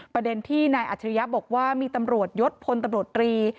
ประเด็นที่นายอัจฉริยะบอกว่ามีตำรวจยศพลตำรวจตรี